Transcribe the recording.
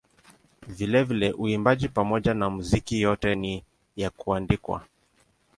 Vilevile uimbaji pamoja na muziki yote ni ya kuandikwa.